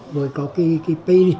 rồi có cái pi